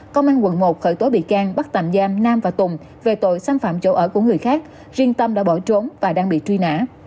công an quận một khởi tố bị can bắt tạm giam nam và tùng về tội xâm phạm chỗ ở của người khác riêng tâm đã bỏ trốn và đang bị truy nã